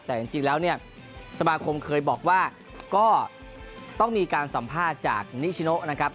แต่จริงแล้วเนี่ยสมาคมเคยบอกว่าก็ต้องมีการสัมภาษณ์จากนิชิโนนะครับ